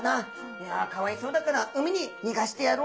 いやかわいそうだから海に逃がしてやろうじゃねえか」。